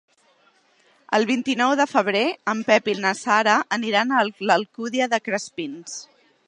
El vint-i-nou de febrer en Pep i na Sara aniran a l'Alcúdia de Crespins.